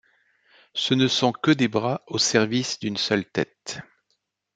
Ce ne sont que des bras au service d’une seule tête.